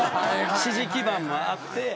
支持基盤があって。